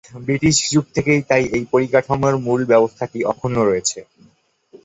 British যুগ থেকেই তাই এই পরিকাঠামোর মূল ব্যবস্থাটি অক্ষুণ্ণ রয়েছে।